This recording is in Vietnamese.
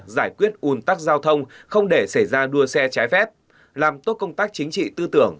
giải quyết un tắc giao thông không để xảy ra đua xe trái phép làm tốt công tác chính trị tư tưởng